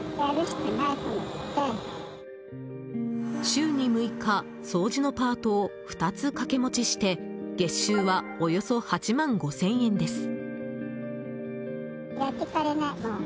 週に６日掃除のパートを２つ掛け持ちして月収はおよそ８万５０００円です。